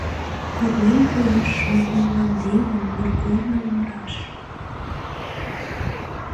Корнем коеш шоҥго мландемын вӱргорныла раш.